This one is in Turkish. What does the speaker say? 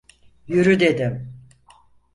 Yürü dedim!